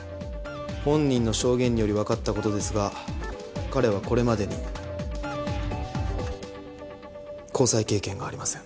本人の証言により分かったことですが彼はこれまでに交際経験がありません。